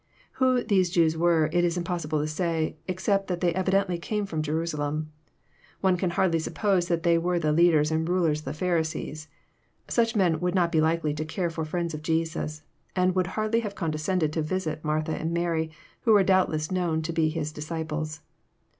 Who th^e Jews were it Is Impossible to say, except that they evidently came from Jerusa lem. One can hardly suppose that they were the leaders and rulers of the Pharisees. Such men would not be likely to care for friends of Jesus, and would hardly have condescended to visit Martha and Mary, who were doubtless known to be His disciples.